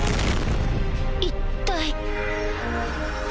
一体。